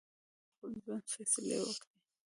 خلک باید د خپل ژوند فیصلې وکړي.